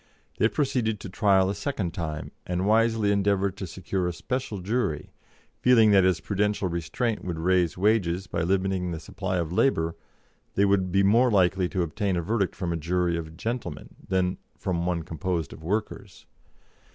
They proceeded to trial a second time, and wisely endeavoured to secure a special jury, feeling that as prudential restraint would raise wages by limiting the supply of labour, they would be more likely to obtain a verdict from a jury of "gentlemen" than from one composed of workers.